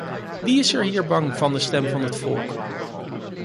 Wie is er hier bang van de stem van het volk?